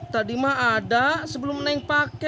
tadi mak ada sebelum naik pake